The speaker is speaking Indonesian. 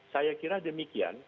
saya kira demikian